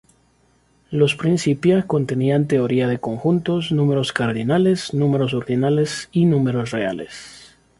Los "Principia" contenían teoría de conjuntos, números cardinales, números ordinales y números reales.